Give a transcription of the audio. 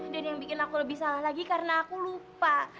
dan yang bikin aku lebih salah lagi karena aku lupa